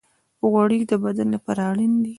غوړې د بدن لپاره اړین دي.